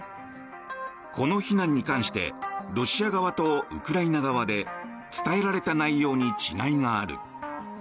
この避難に関してロシア側とウクライナ側で伝えられた内容に違いがある。